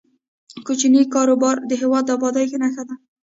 کوچني کاروبارونه د هیواد د ابادۍ نښه ده.